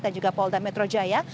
dan juga polda metro jaya